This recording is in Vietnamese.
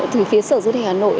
thì phía sở du lịch hà nội